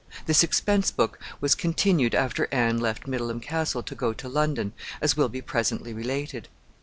This expense book was continued after Anne left Middleham Castle to go to London, as will be presently related.